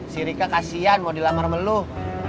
si rika kasihan mau dilamar meluh